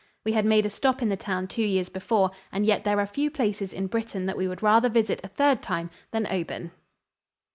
We had made a stop in the town two years before, and yet there are few places in Britain that we would rather visit a third time than Oban.